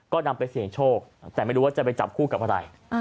ก็นำไปเสี่ยงโชคแต่ไม่รู้ว่าจะไปจับคู่กับอะไร